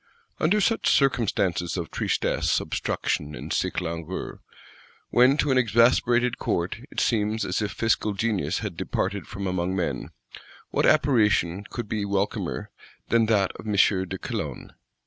Under such circumstances of tristesse, obstruction and sick langour, when to an exasperated Court it seems as if fiscal genius had departed from among men, what apparition could be welcomer than that of M. de Calonne?